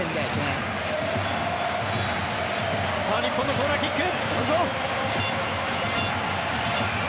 日本のコーナーキック。